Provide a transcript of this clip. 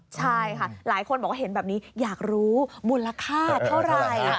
ใช่ค่ะหลายคนบอกว่าเห็นแบบนี้อยากรู้มูลค่าเท่าไหร่